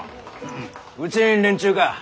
うちん連中か？